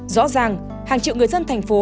rõ ràng hàng triệu người dân thành phố